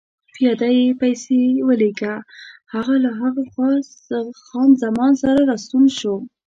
پیاده يې پسې ولېږه، هغه له هاخوا له خان زمان سره راستون شو.